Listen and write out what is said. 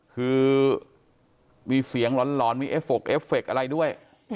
คือมีเสียงหลอนมีเอฟกเอฟเฟคอะไรด้วย